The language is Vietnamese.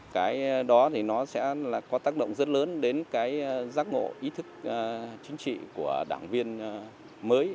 cái đó thì nó sẽ có tác động rất lớn đến cái giác ngộ ý thức chính trị của đảng viên mới